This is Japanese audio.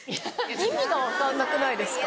意味が分かんなくないですか？